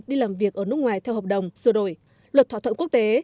đi làm việc ở nước ngoài theo hợp đồng sửa đổi luật thỏa thuận quốc tế